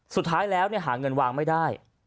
สุดท้ายแล้วหาเงินวางไม่ได้